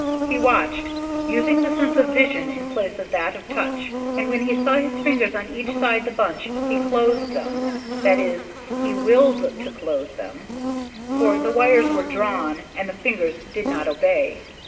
He watched, using the sense of vision in place of that of touch, and when he saw his fingers on each side the bunch, he closed them—that is, he willed to close them, for the wires were drawn, and the fingers did not obey.